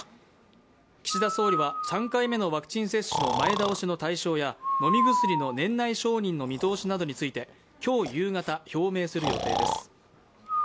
岸田総理は３回目のワクチン接種の前倒しの対象や飲み薬の年内承認の見通しなどについて今日夕方、表明する予定です。